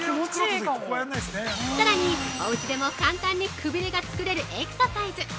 さらに、おうちでも簡単にくびれが作れるエクササイズ。